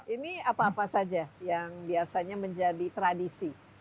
ini apa apa saja yang biasanya menjadi tradisi